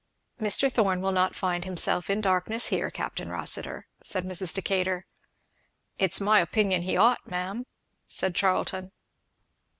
"Mr. Thorn will not find himself in darkness here, Capt. Rossitur," said Mrs. Decatur. "It's my opinion he ought, ma'am," said Charlton.